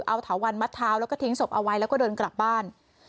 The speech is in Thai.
เอาถาวันมัดเท้าแล้วก็ทิ้งศพเอาไว้แล้วก็เดินกลับบ้าน